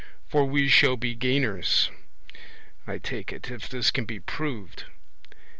For we shall be gainers, I take it, if this can be proved.'